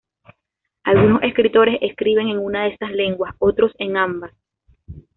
Algunos escritores escriben en una de esas lenguas, otros en ambas.